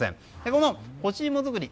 この干し芋作り